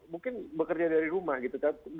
mungkin bekerja dari rumah gitu